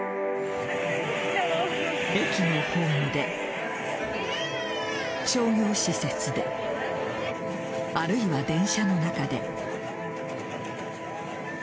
駅のホームで商業施設であるいは電車の中で。